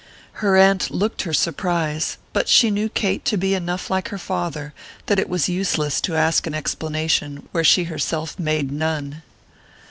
Her aunt looked her surprise, but she knew Kate to be enough like her father that it was useless to ask an explanation where she herself made none.